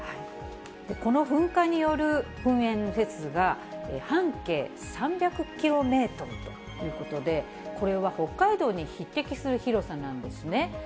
この噴火による噴煙ですが、半径３００キロメートルということで、これは北海道に匹敵する広さなんですね。